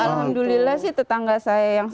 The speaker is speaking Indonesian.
alhamdulillah sih tetangga saya